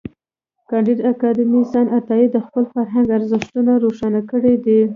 کانديد اکاډميسن عطايي د خپل فرهنګ ارزښتونه روښانه کړي دي.